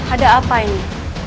ada apa ini